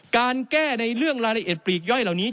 การแก้ในเรื่องรายละเอียดปลีกย่อยเหล่านี้